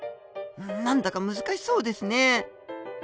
何だか難しそうですね。